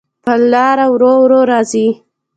پر لاره ورو، ورو راځې